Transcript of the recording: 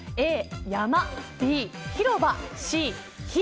Ａ、山、Ｂ、広場、Ｃ、火。